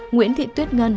nguyễn thị tuyết ngân